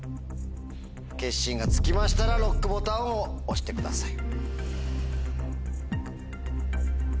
決心がつきましたらＬＯＣＫボタンを押してください。